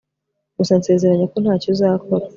Gusa nsezeranya ko ntacyo uzakora